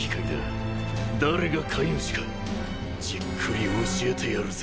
誰が飼い主かじっくり教えてやるぜ。